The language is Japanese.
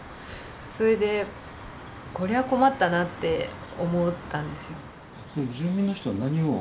それでこりゃあ困ったなって思ったんですよ。